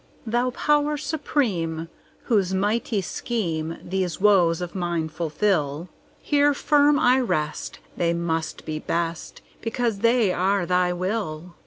Thou Power Supreme, whose mighty schemeThese woes of mine fulfil, Here firm I rest; they must be best, Because they are Thy will!